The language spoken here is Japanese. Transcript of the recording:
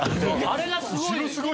あれがすごい！